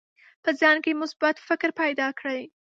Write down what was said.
په ځان کې مثبت فکر پیدا کړئ.